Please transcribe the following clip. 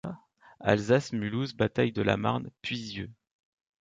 Alsace, Mulhouse, bataille de la Marne, Puisieux.